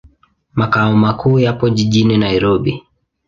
Makao makuu yapo jijini Nairobi.